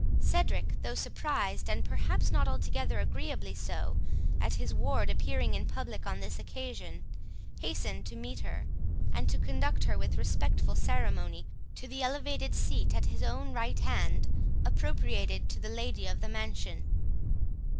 Cedric, though surprised, and perhaps not altogether agreeably so, at his ward appearing in public on this occasion, hastened to meet her, and to conduct her, with respectful ceremony, to the elevated seat at his own right hand, appropriated to the lady of the mansion.